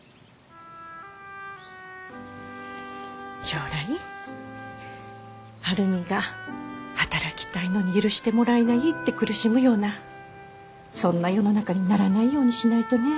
将来晴海が働きたいのに許してもらえないって苦しむようなそんな世の中にならないようにしないとね。